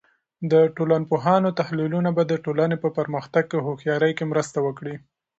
د ټولنپوهانو تحلیلونه به د ټولنې په پرمختګ کې هوښیارۍ کې مرسته وکړي.